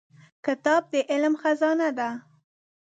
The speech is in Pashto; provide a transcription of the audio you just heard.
کتاب د علم خزانه ده.